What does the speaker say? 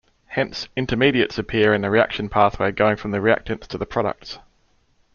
Hence, intermediates appear in the reaction pathway going from the reactants to the products.